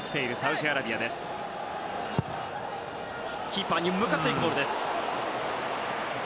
キーパーに向かっていくボールでした。